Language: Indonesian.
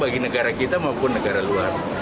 bagi negara kita maupun negara luar